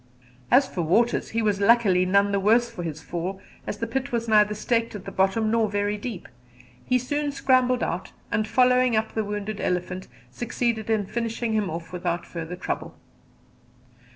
As for Waters, he was luckily none the worse for his fall, as the pit was neither staked at the bottom nor very deep; he soon scrambled out, and, following up the wounded elephant, succeeded in finishing him off without further trouble.